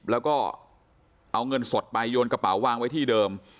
แล้วก็เอาเงินสดไปโยนกระเป๋าวางไว้ที่เดิม